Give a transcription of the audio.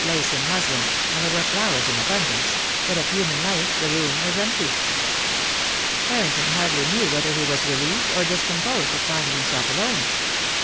lace and muslin, and there were flowers in abundance; but of human life the room was empty. Harrington hardly knew whether he was relieved or discomposed at finding himself alone.